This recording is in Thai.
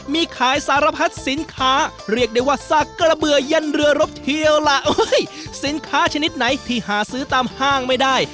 มีขายสารพัดสินค้าเรียกได้ว่าสักกระเบื่อยันเรือรบเทียวล่ะสินค้าชนิดไหนที่หาซื้อตามห้างไม่ได้